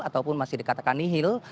ataupun masih dikatakan nihil